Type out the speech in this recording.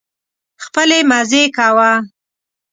خپلې مزې کوه.